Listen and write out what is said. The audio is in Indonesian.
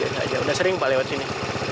biasa aja udah sering pak lewat sini